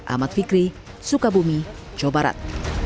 ahmad fikri sukabumi jawa barat